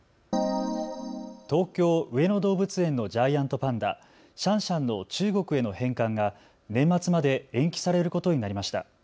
東京上野動物園のジャイアントパンダ、シャンシャンの中国への返還が年末まで延期されることになりました。